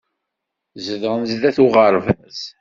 Zedɣen sdat uɣerbaz.